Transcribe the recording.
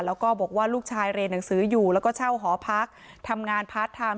แล้วก็บอกว่าลูกชายเรียนหนังสืออยู่แล้วก็เช่าหอพักทำงานพาร์ทไทม์